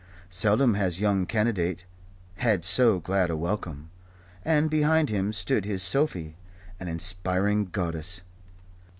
Seldom has young candidate had so glad a welcome. And behind him stood his Sophie, an inspiring goddess.